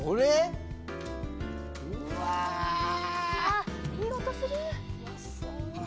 ・うわ・いい音する！